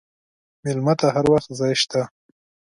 مېلمه ته هر وخت ځای شته.